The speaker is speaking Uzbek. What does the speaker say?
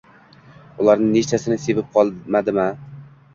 Ularni nechtasini sevib qolmadim-a